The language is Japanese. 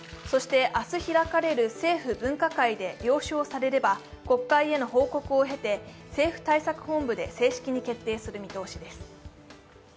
そして、明日開かれる政府分科会で了承されれば、国会への報告を経て政策対策本部で正式に決定する見通しです。